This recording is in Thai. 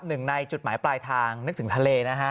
หนึ่งในจุดหมายปลายทางนึกถึงทะเลนะฮะ